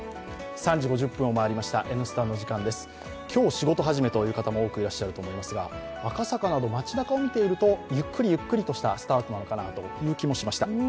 今日、仕事始めという方も多くいらっしゃると思いますが赤坂など街中を見ていると、ゆっくりとしたスタートなのかなという気もしました。